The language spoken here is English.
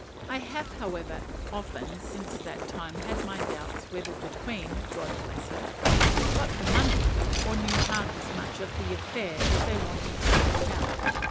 I have, however, often since that time had my doubts whether the Queen (God bless her) got the money, or knew half as much of the affair as they wanted to make out.